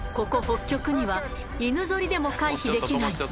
北極には犬ぞりでも回避できない